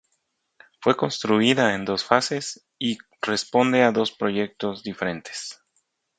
Fue construida en dos fases, y responde a dos proyectos diferentes.